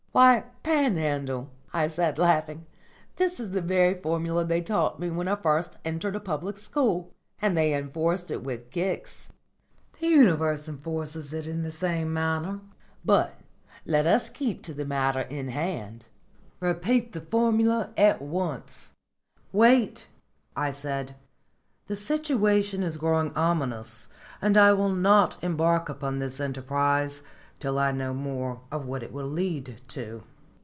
_'" "Why, Panhandle," I said laughing, "that is the very formula they taught me when I first entered a Public School. And they enforced it with kicks." "The Universe enforces it in the same manner. But let us keep to the matter in hand. Repeat the formula at once." "Wait," I said. "The situation is growing ominous, and I will not embark upon this enterprise till I know more of what it will lead to."